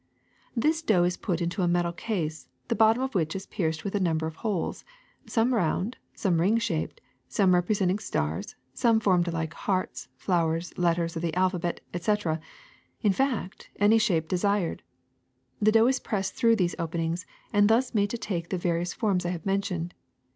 This dough is put into a metal case, the bottom of which is pierced with a number of holes, some round, some ring shaped, some representing stars, some formed like hearts, flowers, letters of the alphabet, etc. — in fact, any shape desired. The dough is pressed through these openings and thus made to take the various forms I have mentioned.